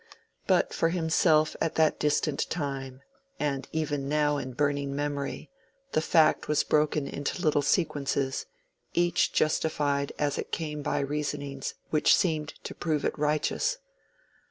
But for himself at that distant time, and even now in burning memory, the fact was broken into little sequences, each justified as it came by reasonings which seemed to prove it righteous.